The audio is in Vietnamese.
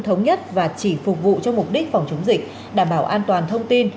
thống nhất và chỉ phục vụ cho mục đích phòng chống dịch đảm bảo an toàn thông tin